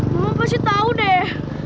mama pasti tau deh